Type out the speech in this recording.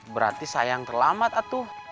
berarti sayang terlambat atuh